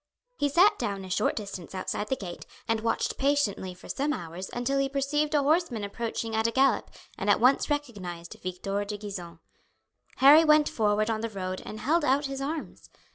He sat down a short distance outside the gate and watched patiently for some hours until he perceived a horseman approaching at a gallop and at once recognized Victor de Gisons. Harry went forward on to the road and held out his arms.